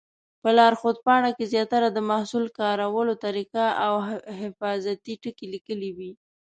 په لارښود پاڼه کې زیاتره د محصول کارولو طریقه او حفاظتي ټکي لیکلي وي.